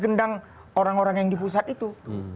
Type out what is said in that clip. gendang orang orang yang di pusat itu